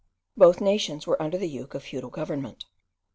Both nations were under the yoke of feudal government.